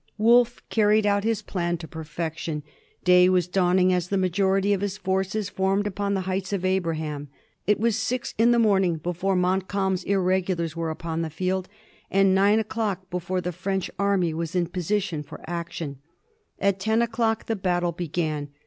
Wolfe carried out his plan to perfection. Day was dawning as the majority of his forces formed upon the Heights of Abraham. It was six in the morning before Montcalm's irregulars were upon the field, and nine o'clock before the French army was in position for ac tion. At ten o'clock the battle began.